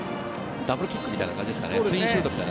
ダブルキックみたいな感じでしたね。